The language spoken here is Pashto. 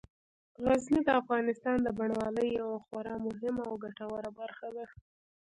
غزني د افغانستان د بڼوالۍ یوه خورا مهمه او ګټوره برخه ده.